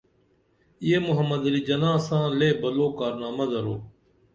یہ محمد علی جناح ساں لے بلو کارنامہ درو